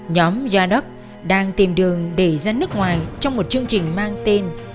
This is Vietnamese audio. nhóm gia đúc đang tìm đường để ra nước ngoài trong một chương trình mang tên